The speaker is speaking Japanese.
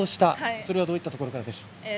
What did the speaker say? それは、どういったところからでしょうか。